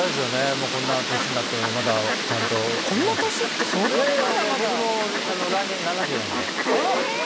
もうこんな年になってもまだちゃんと「こんな年」ってそんなまだまだいやいや僕もええっ！？